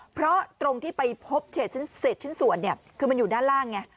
เพราะตรงที่ไปพบเศษชิ้นส่วนเนี่ยคือมันอยู่ด้านล่างไง